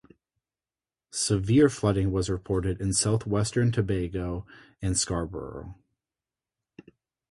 Severe flooding was reported in southwestern Tobago and Scarborough.